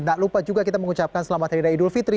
dan tak lupa juga kita mengucapkan selamat hari dari idul fitri